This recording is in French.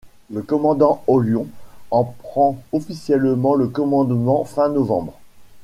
Le commandant Ollion en prend officiellement le commandement fin novembre.